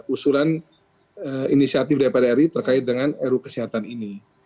usulan inisiatif dpr ri terkait dengan ru kesehatan ini